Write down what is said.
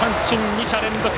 ２者連続！